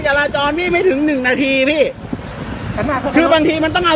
จราจรพี่ไม่ถึงหนึ่งนาทีพี่คือบางทีมันต้องเอา